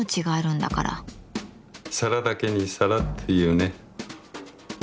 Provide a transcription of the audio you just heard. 皿だけにさらって言うね。